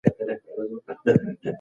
مالیه اخیستل شوه خو خدمت نه وو.